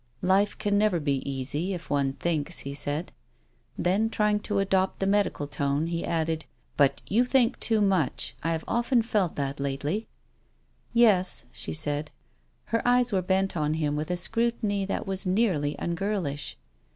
" Life can never be easy, if one thinks," he said. Then, trying to adopt the medical tone, he added :" But you think too much. I have often felt that lately." " Yes," she said. Her eyes were bent on him with a scrutiny that was nearly ungirlish.